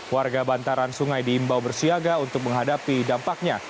warga bantaran sungai diimbau bersiaga untuk menghadapi dampaknya